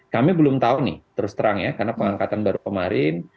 kami belum tahu nih terus terang ya karena pengangkatan baru kemarin